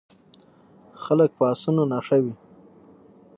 خلک په اسونو نښه وي.